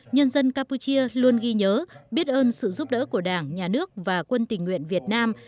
nhân dân campuchia luôn ghi nhớ biết ơn sự giúp đỡ của đảng nhà nước và quân tình nguyện việt nam